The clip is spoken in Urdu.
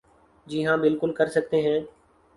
جی ہاں بالکل کر سکتے ہیں ۔